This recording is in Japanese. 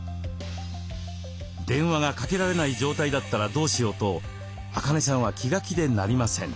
電話がかけられない状態だったらどうしようとアカネさんは気が気でなりません。